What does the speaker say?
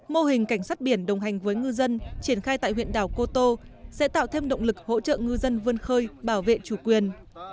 mô hình cảnh sát biển đồng hành với ngư dân triển khai tại huyện đảo cô tô sẽ tạo thêm động lực hỗ trợ ngư dân vươn khơi bảo vệ chủ quyền